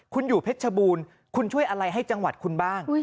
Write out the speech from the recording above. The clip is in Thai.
คุณอยู่เพชรชบูรณ์คุณช่วยอะไรให้จังหวัดคุณบ้าง